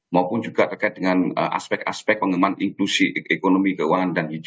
maupun juga terkait dengan aspek aspek pengembangan inklusi ekonomi keuangan dan ideologi